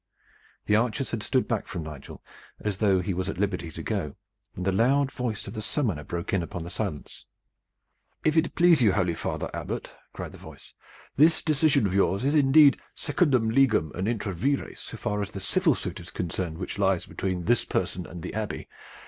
The archers had stood back from Nigel, as though he was at liberty to go, when the loud voice of the summoner broke in upon the silence "If it please you, holy father Abbot," cried the voice, "this decision of yours is indeed secundum legem and intra vires so far as the civil suit is concerned which lies between this person and the Abbey.